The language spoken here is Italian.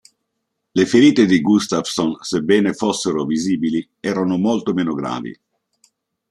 Le ferite di Gustafsson, sebbene fossero visibili, erano molto meno gravi.